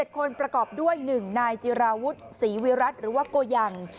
๗คนประกอบด้วย๑นายจิราวุฒิศรีวิรัติหรือว่าโกยัง